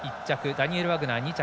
ダニエル・ワグナー、２着。